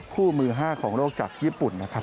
คู่มือห้าของโลกจักรญี่ปุ่นนะครับ